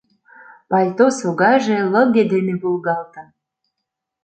Пальто согаже лыге дене волгалтын.